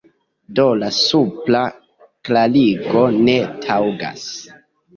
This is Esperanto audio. Do la supra klarigo ne taŭgas.